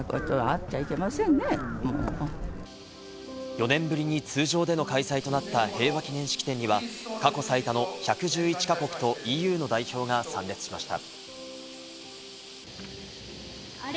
４年ぶりに通常での開催となった平和記念式典には、過去最多の１１１か国とＥＵの代表が参列しました。